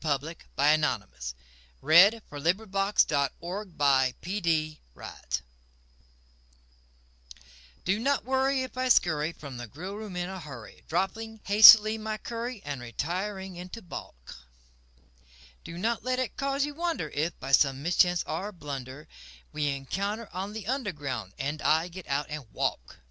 CUPID'S DARTS (Which are a growing menace to the public) Do not worry if I scurry from the grill room in a hurry, Dropping hastily my curry and re tiring into balk ; Do not let it cause you wonder if, by some mischance or blunder, We encounter on the Underground and I get out and walk.